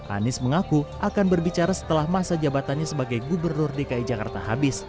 anies mengaku akan berbicara setelah masa jabatannya sebagai gubernur dki jakarta habis